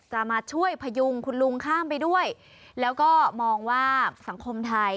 มาช่วยพยุงคุณลุงข้ามไปด้วยแล้วก็มองว่าสังคมไทย